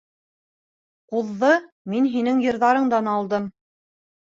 Ҡуҙҙы мин һинең йырҙарыңдан алдым.